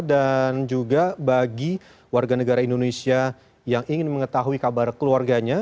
dan juga bagi warga negara indonesia yang ingin mengetahui kabar keluarganya